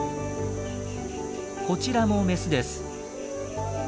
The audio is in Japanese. こちらもメスです。